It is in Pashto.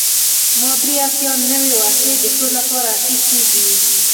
ما درې اتیا نوې وسیلې د کور لپاره اخیستې دي.